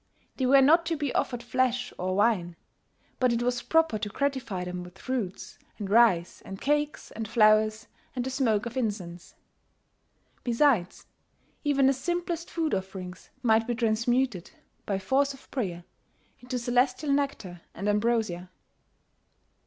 They were not to be offered flesh or wine; but it was proper to gratify them with fruits and rice and cakes and flowers and the smoke of incense. Besides, even the simplest food offerings might be transmuted, by force of prayer, into celestial nectar and ambrosia.